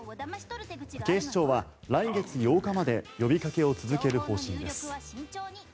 警視庁は来月８日まで呼びかけを続ける方針です。